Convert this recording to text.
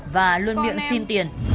và luôn miệng xin tiền